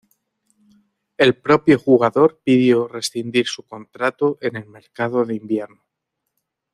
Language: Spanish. El propio jugador pidió rescindir su contrato en el mercado de invierno.